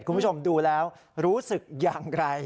คุณผู้ชมดูแล้วรู้สึกอย่างไร